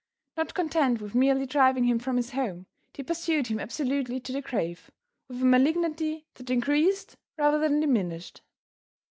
Not content with merely driving him from his home, they pursued him absolutely to the grave, with a malignity that increased rather than diminished.